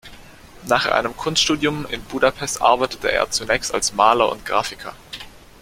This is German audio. Nach einem Kunststudium in Budapest arbeitete er zunächst als Maler und Grafiker.